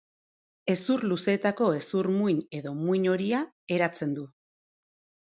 Hezur luzeetako hezur muin edo muin horia eratzen du.